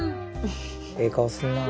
ええ顔すんなあ。